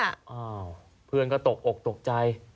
อ้าวเพื่อนก็ตกอกตกใจ